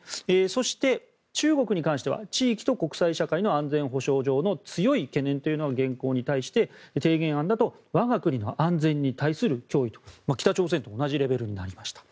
そして、中国に関しては地域と国際社会の安全保障上の強い懸念というのが現行に対して、提言案だと我が国の安全に対する脅威と北朝鮮と同じレベルになりました。